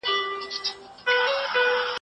که ماشوم لمونځ او روژه کوله، طلاق یې څه حکم لري؟